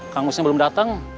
kang musnya belum datang